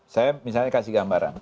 saya misalnya kasih gambaran